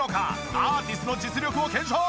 アーティスの実力を検証！